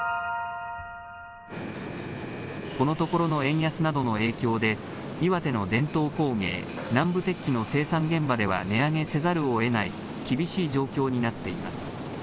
このところの円安などの影響で岩手の伝統工芸、南部鉄器の生産現場では値上げせざるをえない厳しい状況になっています。